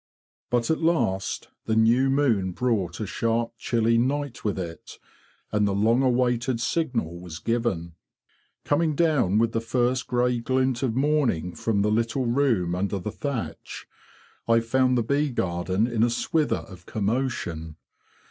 But at last the new moon brought a sharp chilly night with it, and the long awaited signal was given. Coming down with the first grey glint of morning from the little room under the thatch, I found the bee garden in a swither of commotion.